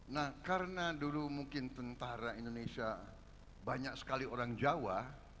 nah karena dulu mungkin tentara indonesia banyak sekali orang jawa